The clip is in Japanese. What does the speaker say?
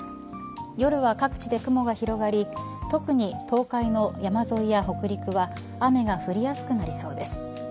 夜は各地で雲が広がり特に東海の山沿いや北陸は雨が降りやすくなりそうです。